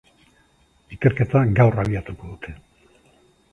Ikerketa gaur abiatuko dute.